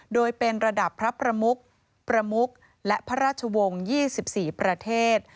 โดยเป็นระดับพระประมุกประมุกและพระราชวงศ์๒๔ประเทศ